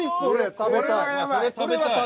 食べたい。